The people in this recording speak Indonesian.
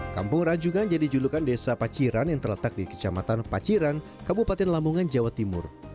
kampung rajungan jadi julukan desa paciran yang terletak di kecamatan paciran kabupaten lamongan jawa timur